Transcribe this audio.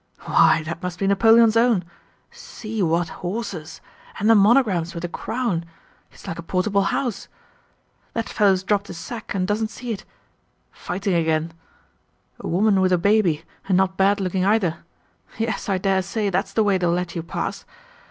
Why, that must be Napoleon's own. See what horses! And the monograms with a crown! It's like a portable house.... That fellow's dropped his sack and doesn't see it. Fighting again... A woman with a baby, and not bad looking either! Yes, I dare say, that's the way they'll let you pass....